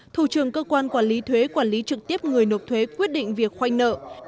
thủ trưởng cơ quan quản lý thuế quản lý trực tiếp người nộp thuế quyết định việc khoanh nợ